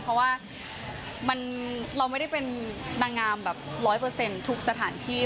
เพราะว่าเราไม่ได้เป็นนางงามแบบ๑๐๐ทุกสถานที่